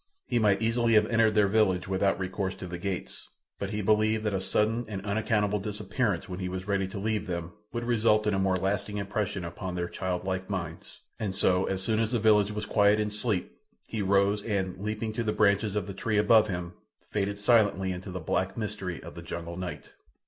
He might easily have entered their village without recourse to the gates, but he believed that a sudden and unaccountable disappearance when he was ready to leave them would result in a more lasting impression upon their childlike minds, and so as soon as the village was quiet in sleep he rose, and, leaping into the branches of the tree above him, faded silently into the black mystery of the jungle night.